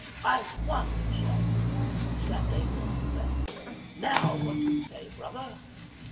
* I've won !' he shouted, and slapped Abel on the back. * Now what do you say, brother